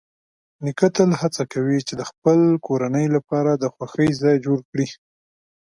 نیکه تل هڅه کوي چې د خپل کورنۍ لپاره د خوښۍ ځای جوړ کړي.